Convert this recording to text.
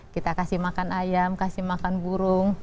kita kasih makan ayam kasih makan burung